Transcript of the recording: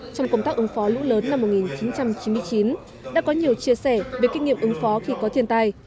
trong công tác ứng phó lũ lớn năm một nghìn chín trăm chín mươi chín đã có nhiều chia sẻ về kinh nghiệm ứng phó khi có thiên tai